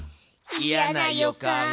いやな予感。